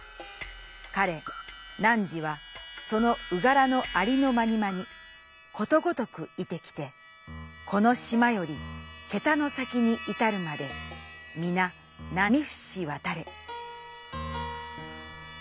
かれ汝はその族のありのまにまにことごとく率て来てこの島より気多の前にいたるまでみな列みふしわたれ」。